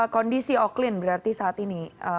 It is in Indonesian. kondisi oklin berarti saat ini